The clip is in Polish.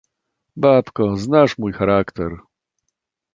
"Babko, znasz mój charakter!"